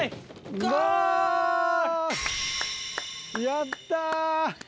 やった！